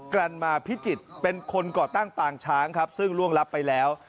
รันมาพิจิตรเป็นคนก่อตั้งปางช้างครับซึ่งล่วงรับไปแล้ว